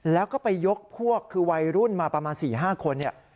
แล้วคุณไปยกพวกคือวัยรุ่นมาประมาณ๔๕คน